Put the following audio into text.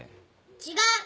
違う。